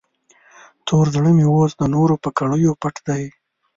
تور زړه مې اوس د نور په کړیو پټ دی.